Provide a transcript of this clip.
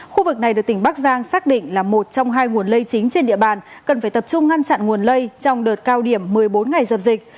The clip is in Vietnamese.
khu vực này được tỉnh bắc giang xác định là một trong hai nguồn lây chính trên địa bàn cần phải tập trung ngăn chặn nguồn lây trong đợt cao điểm một mươi bốn ngày dập dịch